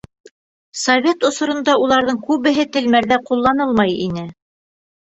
Совет осоронда уларҙың күбеһе телмәрҙә ҡулланылмай ине.